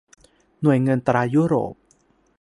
หน่วยเงินตรายุโรป